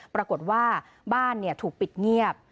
ปรากฏว่าบ้านถูกปิดเงียบ